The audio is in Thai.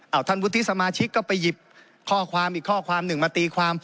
เอาท่านวุฒิสมาชิกก็ไปหยิบข้อความอีกข้อความหนึ่งมาตีความ